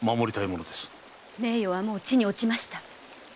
名誉はもう地に堕ちました。